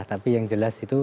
tapi yang jelas itu